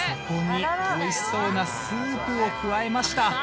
そこに美味しそうなスープを加えました。